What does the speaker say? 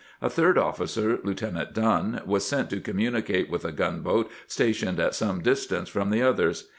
A third officer. Lieutenant Dunn, was sent to communicate with a gunboat stationed at some dis tance from the others.